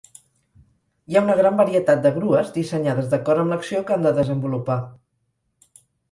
Hi ha una gran varietat de grues, dissenyades d'acord amb l'acció que han de desenvolupar.